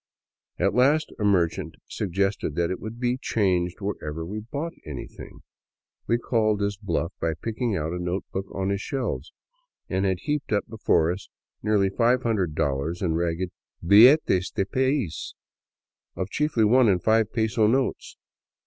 At last a merchant suggested that it would be changed wherever we bought anything. We called his bluff by picking out a notebook on his shelves, and had heaped up before us nearly $500 in ragged " billetes del pais " of chiefly one and five peso values.